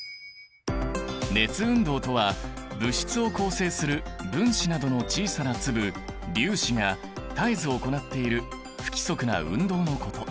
熱運動とは物質を構成する「分子」などの小さな粒「粒子」が絶えず行っている不規則な運動のこと。